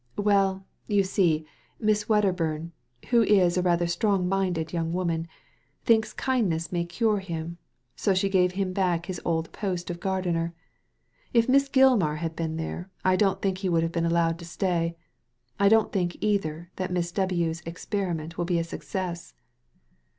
" Well, you see, Miss Wedderburn (who is rather a strong minded young woman) thinks kindness may cure him; so she gave him back his old post of gardener. If Miss Gilmar had been there, I don't tiiink he would have been allowed to stay. I don't think, either, that Miss W.'s experiment will be a success."